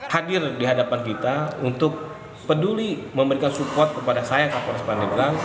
hadir di hadapan kita untuk peduli memberikan support kepada saya kapolres pandeglang